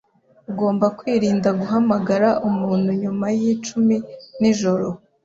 Ugomba kwirinda guhamagara umuntu nyuma yicumi nijoro.